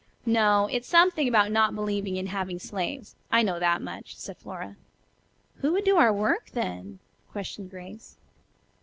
"No, it's something about not believing in having slaves, I know that much," said Flora. "Who would do our work then?" questioned Grace.